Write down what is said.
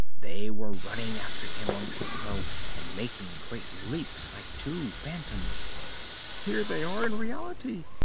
They were running after him on tiptoe and making great leaps like two phantoms. "Here they are in reality!"